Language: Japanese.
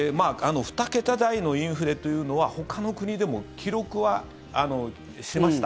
２桁台のインフレというのはほかの国でも記録はしました。